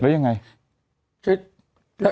แล้วยังไง